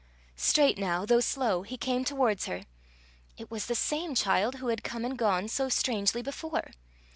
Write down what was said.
Straight now, though slow, he came towards her. It was the same child who had come and gone so strangely before!